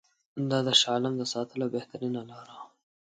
دا د شاه عالم د ساتلو بهترینه لاره وه.